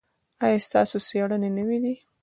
ایا ستاسو څیړنې نوې دي؟